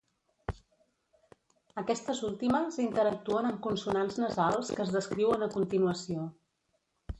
Aquestes últimes interactuen amb consonants nasals que es descriuen a continuació.